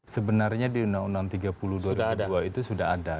sebenarnya di undang undang tiga puluh dua ribu dua itu sudah ada